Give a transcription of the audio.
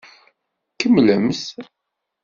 Kemmlemt.